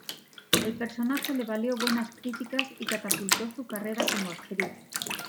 El personaje le valió buenas críticas y catapultó su carrera como actriz.